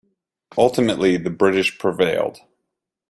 Ultimately, the British prevailed.